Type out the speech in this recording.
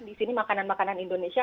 di sini makanan makanan indonesia